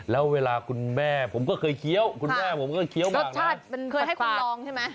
แล้วเวลาคุณแม่ผมก็เคยเคี้ยวคุณแม่ผมก็เคี้ยวมารสชาติมันเคยให้คุณลองใช่ไหม